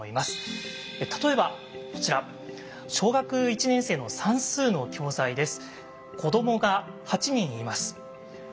例えばこちら小学１年生の算数の教材です。